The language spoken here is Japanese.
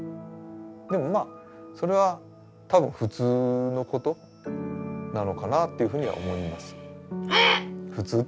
でもまあそれは多分普通のことなのかなっていうふうには思いますあっ！